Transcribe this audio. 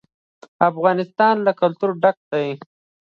افغانستان له کلتور ډک دی.